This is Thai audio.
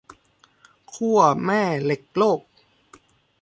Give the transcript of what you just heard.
ขั้วแม่เหล็กโลก